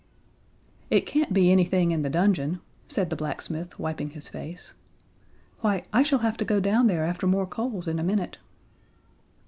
"It can't be anything in the dungeon," said the blacksmith, wiping his face. "Why, I shall have to go down there after more coals in a minute."